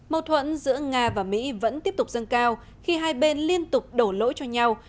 mâu thuẫn giữa nga và mỹ vẫn tiếp tục dâng cao khi hai bên liên tục đổ lỗi cho nhau